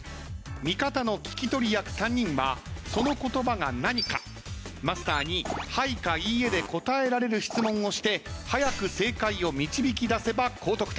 味方の聞き取り役３人はその言葉が何かマスターに「はい」か「いいえ」で答えられる質問をして早く正解を導き出せば高得点。